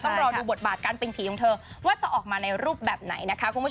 ต้องรอดูบทบาทการเป็นผีของเธอว่าจะออกมาในรูปแบบไหนนะคะคุณผู้ชม